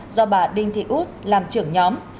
do bà đinh thị út làm trưởng nhóm